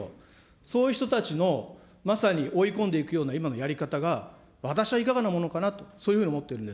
そういう人たちのまさに追い込んでいくような、今のやり方が、私はいかがなものかと、そういうふうに思っているんです。